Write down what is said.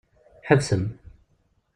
Ḥebsem!